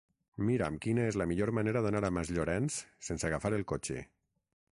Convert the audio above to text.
Mira'm quina és la millor manera d'anar a Masllorenç sense agafar el cotxe.